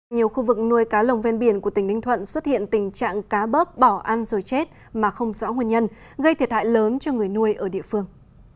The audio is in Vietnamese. nhiều khu vực nuôi cá lồng ven biển của tỉnh ninh thuận xuất hiện tình trạng cá bớp bỏ ăn rồi chết mà không rõ nguyên nhân gây thiệt hại lớn cho người nuôi ở địa phương